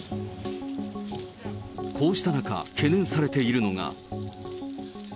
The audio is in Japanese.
こうした中、懸念されているのが。